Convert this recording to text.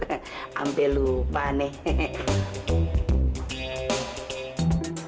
hampir lupa nih